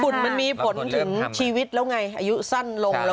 ฝุ่นมันมีผลถึงชีวิตลงไงอายุสั้นลง